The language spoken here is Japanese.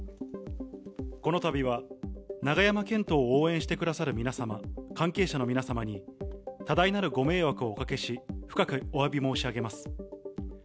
このたびは永山絢斗を応援してくださる皆様、関係者の皆様に、多大なるご迷惑をおかけし、深くおわび申し上げます。